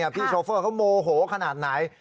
โชเฟอร์เขาโมโหขนาดไหน